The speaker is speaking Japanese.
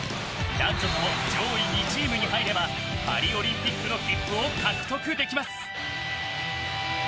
男女とも上位２チームに入ればパリオリンピックの切符を獲得できます。